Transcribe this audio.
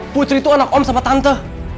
putri itu anak om sama tante